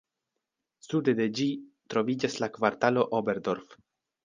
Sude de ĝi troviĝas la kvartalo Oberdorf.